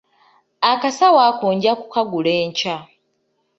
Akasawo ako nja kukagula enkya.